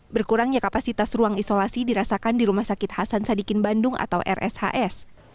berkurangnya kapasitas ruang isolasi dirasakan di rumah sakit hasan sadikin bandung atau rshs